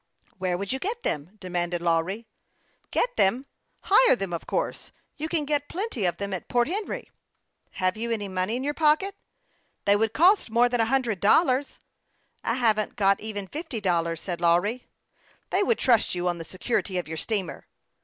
" Where would you get them ?'' demanded Lawry. " Get them ? Hire them, of course. You can get plenty of them at Port Henry." " Have you any money in your pocket ?"" They wouldn't cost more than fifty or a hundred dollars." " I haven't got even fifty dollars," said Lawry. " They would trust you on the security of your steamer."